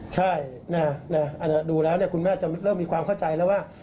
ใช่ดูแล้วคุณแม่จะเริ่มมีความเข้าใจแล้วว่า